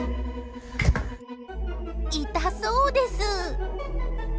痛そうです。